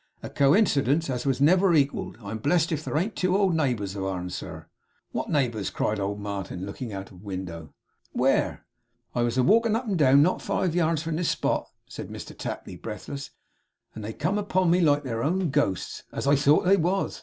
'A coincidence as never was equalled! I'm blessed if here ain't two old neighbours of ourn, sir!' 'What neighbours?' cried old Martin, looking out of window. 'Where?' 'I was a walkin' up and down not five yards from this spot,' said Mr Tapley, breathless, 'and they come upon me like their own ghosts, as I thought they was!